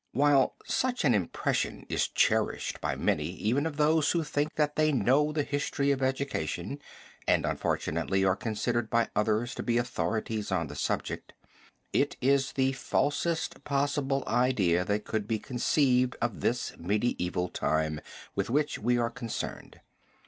While such an impression is cherished by many even of those who think that they know the history of education, and unfortunately are considered by others to be authorities on the subject, it is the falsest possible idea that could be conceived of this medieval time with which we are concerned.